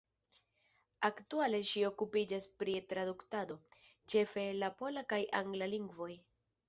Aktuale ŝi okupiĝas pri tradukado, ĉefe el la pola kaj angla lingvoj.